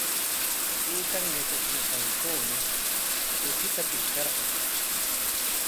Taytan yatsikunqannawmi kuchita pishtarqan.